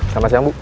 selamat siang bu